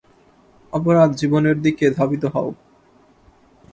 অপরাধ জীবনের দিকে ধাবিত হও।